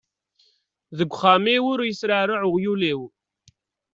Deg uxxam-iw ur yesreɛruɛ uɣyul-iw!